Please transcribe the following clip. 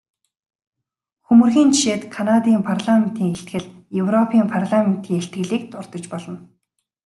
Хөмрөгийн жишээнд Канадын парламентын илтгэл, европын парламентын илтгэлийг дурдаж болно.